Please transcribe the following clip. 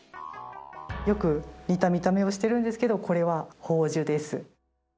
よく似た見た目をしてるんですけどこれは宝珠です。